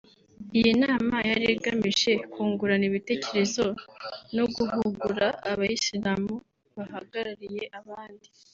Iyi nama yari igamije kungurana ibitekerezo no guhugura abayisilamu bahagarariye abandi